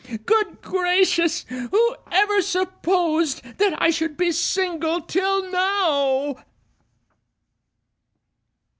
Good gracious! who ever supposed That I should be single till now?